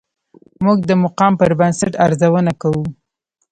موږ د مقام پر بنسټ ارزونه کوو.